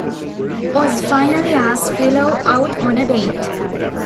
Oz finally asks Willow out on a date.